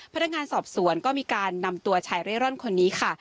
พนักงานสอบสวนก็มีการนำตัวชายเร่ร่อนคนนี้ค่ะ